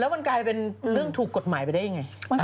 มันกลายเป็นเรื่องถูกกฎหมายไปได้ยังไง